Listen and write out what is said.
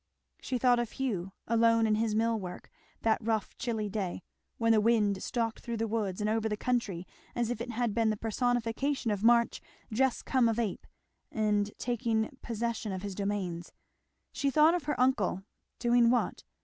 She thought of Hugh, alone in his mill work that rough chilly day, when the wind stalked through the woods and over the country as if it had been the personification of March just come of ape and taking possession of his domains. She thought of her uncle, doing what?